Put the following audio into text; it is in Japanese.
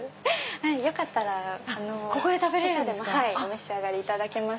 よかったらお召し上がりいただけます。